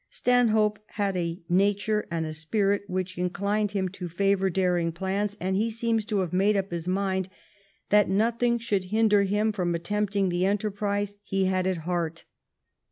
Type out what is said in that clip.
Stanhope had a nature and a spirit which inclined him to favour daring plans, and he seems to have made up his mind that nothing should hinder him from attempting the enterprise he had at heart.